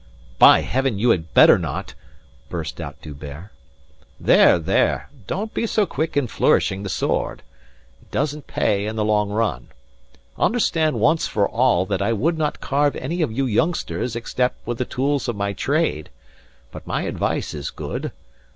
"By heavens, you had better not," burst out D'Hubert. "There! There! Don't be so quick in flourishing the sword. It doesn't pay in the long run. Understand once for all that I would not carve any of you youngsters except with the tools of my trade. But my advice is good.